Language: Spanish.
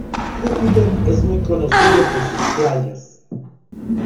Júpiter es muy conocido por sus playas.